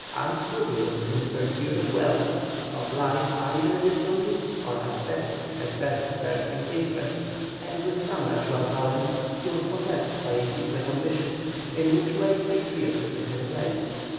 Unscrupulous in the pursuit of wealth, of life either dissolute or ascetic as best served his interests, and with some natural talent, he was possessed by a secret ambition, in which race patriotism had a place.